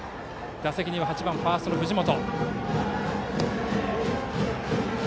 打席には８番ファースト、藤本。